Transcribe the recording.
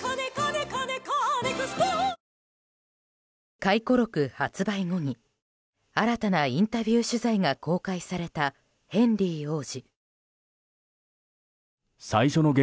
回顧録発売後に新たなインタビュー取材が公開されたヘンリー王子。